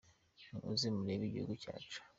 Nimuze murebe igihugu cyacu.